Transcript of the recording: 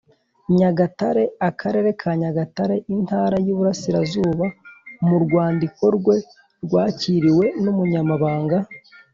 Nyagatare Akarere Ka Nyagatare Intara Y Iburasirazuba Mu Rwandiko Rwe Rwakiriwe n umunyamabanga